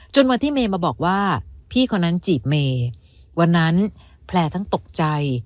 วันที่เมย์มาบอกว่าพี่คนนั้นจีบเมย์วันนั้นแพลร์ทั้งตกใจ